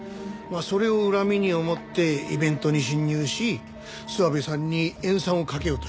それを恨みに思ってイベントに侵入し諏訪部さんに塩酸をかけようとした。